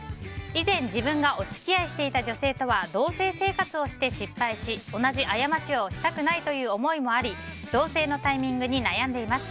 以前、自分がお付き合いしていた女性とは同棲生活をして失敗し、同じ過ちをしたくないという思いもあり同棲のタイミングに悩んでいます。